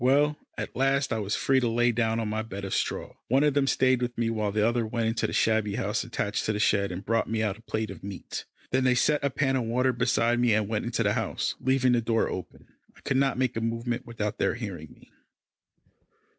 Well, at last I was free to lie down on my bed of straw. One of them stayed with me while the other went into the shabby house attached to the shed and brought me out a plate of meat. Then they set a pan of water beside me and went into the house, leaving the door open. I could not make a movement without their hearing me.